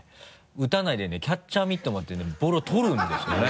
打たないでねキャッチャーミット持ってねボールを捕るんですよね。